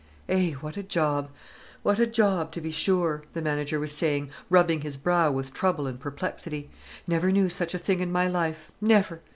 "Eh, what a job, what a job, to be sure!" the manager was saying, rubbing his brow with trouble and perplexity. "Never knew such a thing in my life, never!